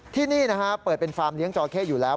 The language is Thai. ที่นี่นะฮะเปิดเป็นฟาร์มเลี้ยจอเข้อยู่แล้ว